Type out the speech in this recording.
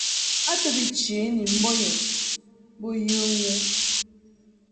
A to bi chě ni mbɔnyum bo yə ŋu.